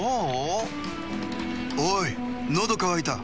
おいのどかわいた。